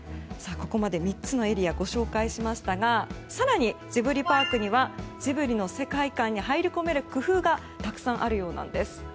ここまで３つのエリアご紹介しましたが更にジブリパークにはジブリの世界観に入り込める工夫がたくさんあるようです。